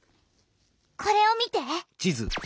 これを見て！